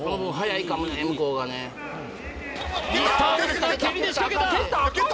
ミスター押忍が蹴りで仕掛けた！